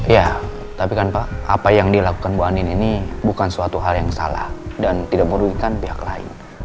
ya tapi kan pak apa yang dilakukan bu ani ini bukan suatu hal yang salah dan tidak merugikan pihak lain